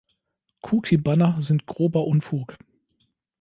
Cookie-Banner sind grober Unfug.